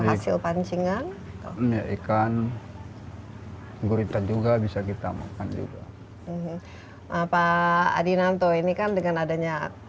hasil pancingan ikan gurita juga bisa kita makan juga pak adinanto ini kan dengan adanya